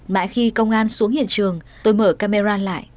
mãi khi công an xuống hiện trường tôi mở camera lại